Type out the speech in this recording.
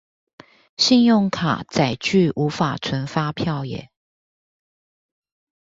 信用卡載具無法存發票耶